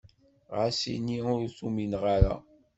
Ɣas ini ur t-umineɣ ara.